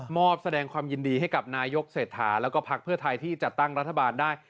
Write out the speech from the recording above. อบแสดงความยินดีให้กับนายกเศรษฐาแล้วก็พักเพื่อไทยที่จัดตั้งรัฐบาลได้